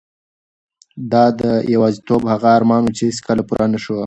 دا د یوازیتوب هغه ارمان و چې هیڅکله پوره نشو.